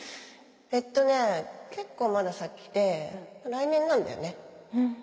えっとね結構まだ先で来年なんだよね